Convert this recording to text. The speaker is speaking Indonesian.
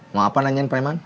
mau apa nanyain preman